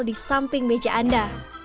di samping meja anda